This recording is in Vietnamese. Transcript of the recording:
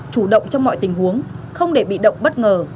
chủ động trong mọi tình huống không để bị động bất ngờ